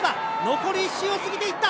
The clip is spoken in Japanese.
残り１周を過ぎていった！